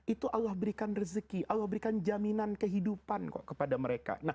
itu allah berikan rezeki allah berikan jaminan kehidupan kepada mereka